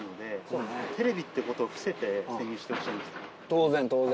当然当然。